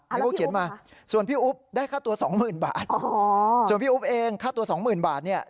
นี่เขาเขียนมาส่วนพี่อุ๊บได้ค่าตัวสองหมื่นบาทส่วนพี่อุ๊บเองค่าตัวสองหมื่นบาทเนี่ย